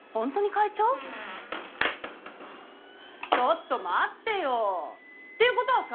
ちょっと待ってよ。っていうことはさ